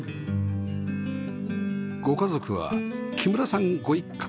ご家族は木村さんご一家